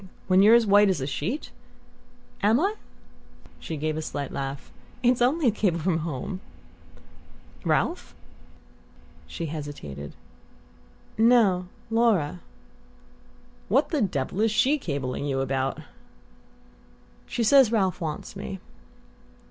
When you're as white as a sheet?" "Am I?" She gave a slight laugh. "It's only a cable from home." "Ralph?" She hesitated. "No. Laura." "What the devil is SHE cabling you about?" "She says Ralph wants me."